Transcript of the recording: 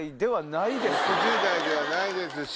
６０代ではないですし。